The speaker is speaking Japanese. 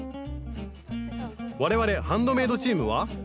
我々ハンドメイドチームは？